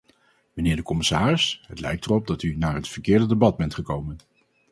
Mijnheer de commissaris, het lijkt erop dat u naar het verkeerde debat bent gekomen.